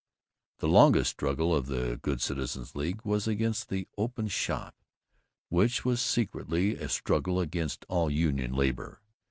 The longest struggle of the Good Citizens' League was against the Open Shop which was secretly a struggle against all union labor.